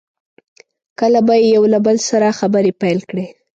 کله به یې یو له بل سره خبرې پیل کړې.